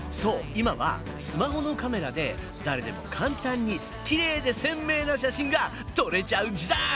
今はスマホのカメラで誰でも簡単にキレイで鮮明な写真が撮れちゃう時代！